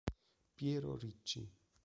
Piero Ricci